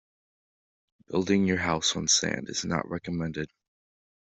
Building your house on sand is not recommended.